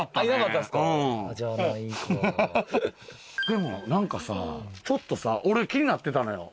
でも何かさちょっと俺気になってたのよ。